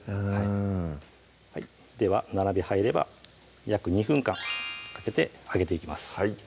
うんでは７尾入れば約２分間かけて揚げていきます